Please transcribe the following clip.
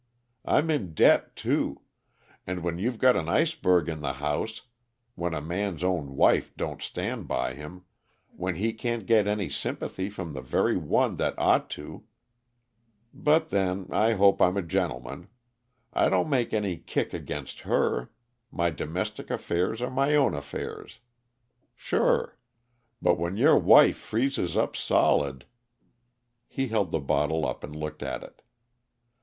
I'm in debt too and when you've got an iceberg in the house when a man's own wife don't stand by him when he can't get any sympathy from the very one that ought to but, then, I hope I'm a gentleman; I don't make any kick against her my domestic affairs are my own affairs. Sure. But when your wife freezes up solid " He held the bottle up and looked at it.